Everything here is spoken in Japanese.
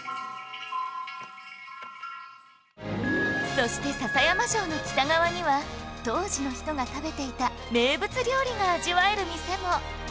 そして篠山城の北側には当時の人が食べていた名物料理が味わえる店も